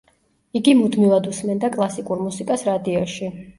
იგი მუდმივად უსმენდა კლასიკურ მუსიკას რადიოში.